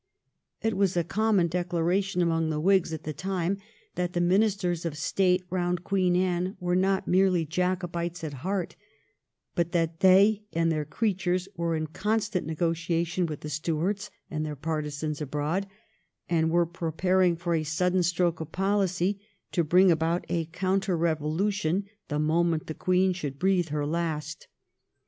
It was a common declaration among the Whigs, at the time, that the Ministers of State round Queen Anne were not merely Jacobites at heart, but that they and their creatures were in constant negotiation with the Stuarts and their partisans abroad, and were pre paring for a sudden stroke of policy to bring about a counter revolution the moment the Queen should breathe her last.